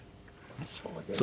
そうですか。